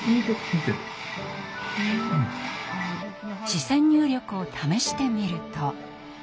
視線入力を試してみると。